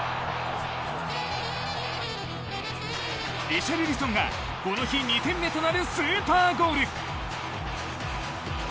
リシャルリソンがこの日２点目となるスーパーゴール。